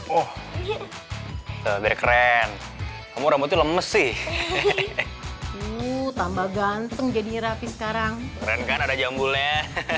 oh biar keren kamu rambutnya lemes sih tambah ganteng jadi rapi sekarang keren kan ada jambulnya